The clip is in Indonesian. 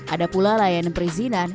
ada pula layanan perizinan